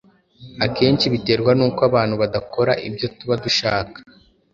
Akenshi biterwa n’uko abantu badakora ibyo tuba dushaka